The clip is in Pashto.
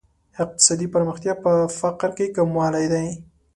اقتصادي پرمختیا په فقر کې کموالی دی.